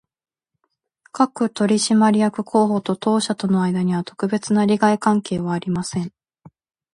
各取締役候補と当社との間には、特別な利害関係はありません